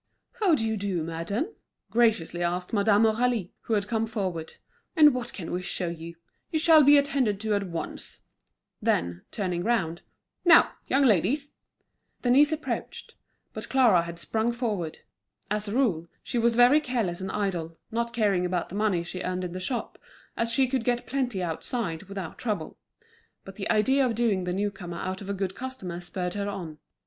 "How do you do, madame?" graciously asked Madame Aurélie, who had come forward. "And what can we show you? You shall be attended to at once." Then, turning round: "Now, young ladies!" Denise approached; but Clara had sprung forward. As a rule, she was very careless and idle, not caring about the money she earned in the shop, as she could get plenty outside, without trouble. But the idea of doing the new comer out of a good customer spurred her on.